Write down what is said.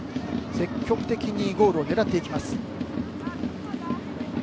積極的にゴールを狙っていきます。